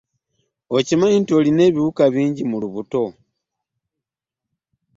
Okimanyi nti olina ebiwuka bingi mu lubutto.